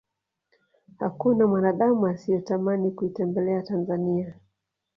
hakuna mwanadamu asiyetamani kuitembelea tanzania